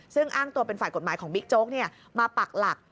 ซึ่งอ้างตัวเป็นฝ่ายกฎหมายของบิ๊กโจ๊กมาปักหลัก